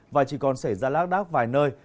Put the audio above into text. và chỉ còn xảy ra lác đác vài nơi